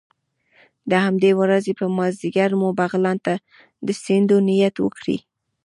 د همدې ورځې په مازدیګر مو بغلان ته د ستنېدو نیت وکړ.